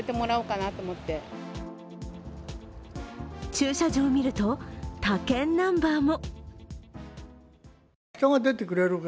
駐車場を見ると、他県ナンバーも。